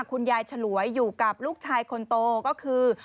คุณยายฉลวยอยู่กับลูกชายคนโตก็คือ